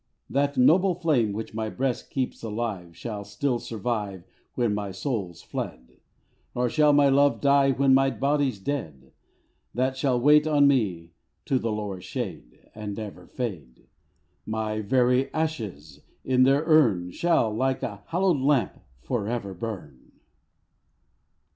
That noble flame, which my Ijreast keeps alive. Shall still survive Wlien my soul's fled ; Nor shall my love die, when ray Ijody's dead ; That shall wait on me to the lower shade, And never fade : My very ashes in their urn Shall, like a hallowed lamp, for ever burn.